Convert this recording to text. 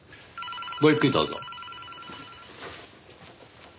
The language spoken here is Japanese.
ごゆっくりどうぞ。